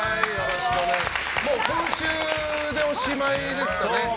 もう今週でおしまいですね。